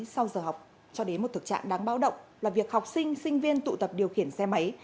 sau giờ học cho đến một thực trạng đáng báo động là việc học sinh sinh viên tụ tập điều khiển xe máy